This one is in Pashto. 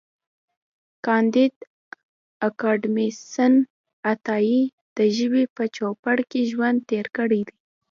کانديد اکاډميسن عطایي د ژبې په چوپړ کې ژوند تېر کړی دی.